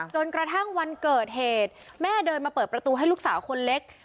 จนกระทั่งวันเกิดเหตุแม่เดินมาเปิดประตูให้ลูกสาวคนเล็ก